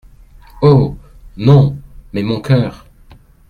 Oh ! non, mais mon cœur !…